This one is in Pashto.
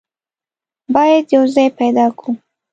بايد يو ځای پيدا کو.